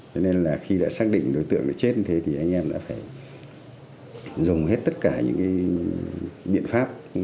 cho nên là khi đã xác định đối tượng đã chết như thế thì anh em đã phải dùng hết tất cả những cái biện pháp